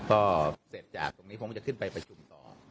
ก็เสร็จจากตรงนี้คงจะขึ้นไปประชุมต่อ